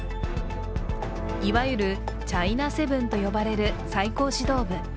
いわゆるチャイナセブンと呼ばれる最高指導部。